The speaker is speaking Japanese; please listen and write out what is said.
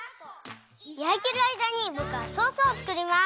やいてるあいだにぼくはソースをつくります。